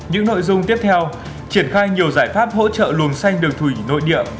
những nội dung tiếp theo triển khai nhiều giải pháp hỗ trợ luồng xanh đường thủy nội địa